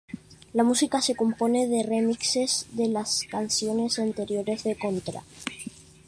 La música se compone de remixes de las canciones anteriores de Contra.